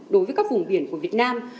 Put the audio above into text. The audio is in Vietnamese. đối với các vùng biển của việt nam